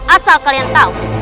asal kalian tahu